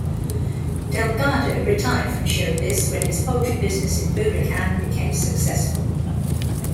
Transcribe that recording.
Delgado retired from showbiz when his poultry business in Bulacan became successful.